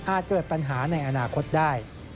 เกิดปัญหาในอนาคตได้